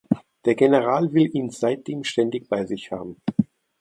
Der General will ihn seitdem ständig bei sich haben.